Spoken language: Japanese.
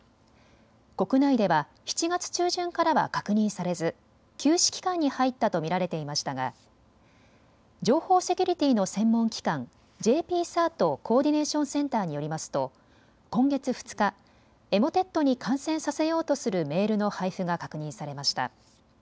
国内では７月中旬からは確認されず休止期間に入ったと見られていましたが情報セキュリティーの専門機関ＪＰＣＥＲＴコーディネーションセンターによりますと今月２日、エモテットに感染させようとするメールの配布が確認されました。